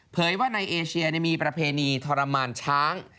เยว่าในเอเชียมีประเพณีทรมานช้าง